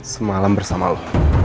semalam bersama lo